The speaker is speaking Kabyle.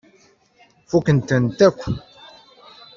Fukkent-ten akk.